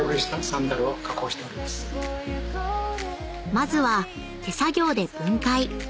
［まずは手作業で分解］